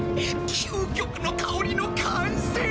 究極の香りの完成だ！